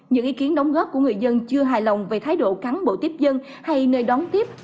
những ý kiến đóng góp của người dân chưa hài lòng về thái độ cán bộ tiếp dân hay nơi đón tiếp